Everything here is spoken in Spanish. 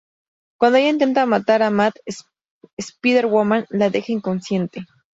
Cuando ella intenta matar a Matt, Spider-Woman la deja inconsciente.